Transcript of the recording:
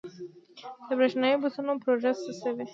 د بریښنايي بسونو پروژه څه شوه؟